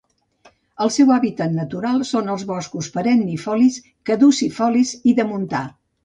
El seu hàbitat natural són els boscos perennifolis, caducifolis i de montà.